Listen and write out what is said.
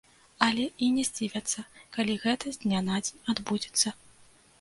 Але і не здзівяцца, калі гэта з дня на дзень адбудзецца.